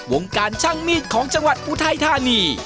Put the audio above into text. วงการช่างมีดของจังหวัดอุทัยธานี